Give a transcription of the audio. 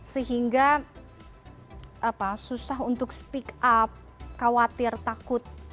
sehingga susah untuk speak up khawatir takut